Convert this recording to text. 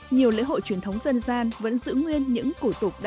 nhiều lễ hội truyền thống dân gian vẫn giữ nguyên những củ tục